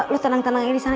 lo tenang tenang aja disana